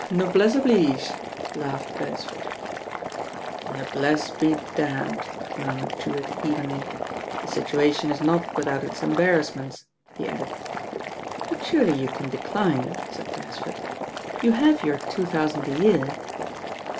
"Noblesse oblige," laughed Beresford. "Noblesse be damned," murmured Drewitt evenly. "The situation is not without its embarrass ments," he added. "But surely you can decline," said Beresford. "You have your two thousand a year."